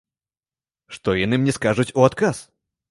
Што яны мне скажуць у адказ?